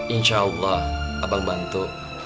insya allah abang bantu